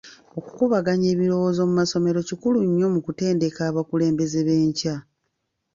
Okukubaganyanga ebirowoozo mu masomero kikulu nnyo mu kutendeka abakulembeze b'enkya.